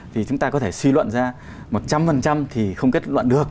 thì chúng ta có thể suy luận ra một trăm linh thì không kết luận được